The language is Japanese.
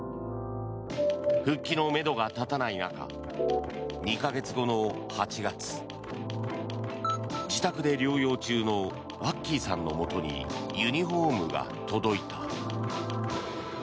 復帰のめどが立たない中２か月後の８月自宅で療養中のワッキーさんのもとにユニホームが届いた。